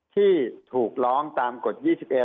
ที่ถูกร้องตามกฎ๒๑